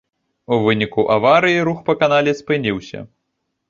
У выніку аварыі рух па канале спыніўся.